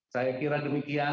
saya kira demikian